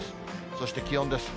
そして気温です。